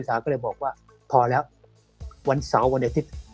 สาวก็เลยบอกว่าพอแล้ววันเสาร์วันอาทิตย์